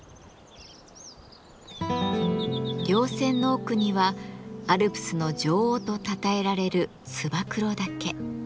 稜線の奥にはアルプスの女王とたたえられる燕岳。